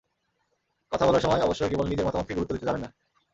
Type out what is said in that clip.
কথা বলার সময় অবশ্যই কেবল নিজের মতামতকেই গুরুত্ব দিতে যাবেন না।